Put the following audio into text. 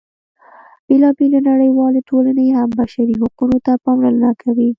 بېلا بېلې نړیوالې ټولنې هم بشري حقونو ته پاملرنه کوي.